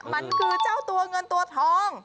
มันคือเจ้าตัวเงินตัวทอง